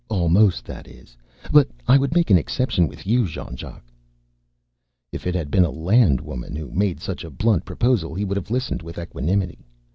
Almost, that is. But I would make an exception with you, Jean Jacques." If it had been a Land woman who made such a blunt proposal he would have listened with equanimity.